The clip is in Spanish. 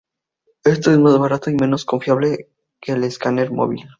Esto es más barato y menos confiable que en el escáner móvil.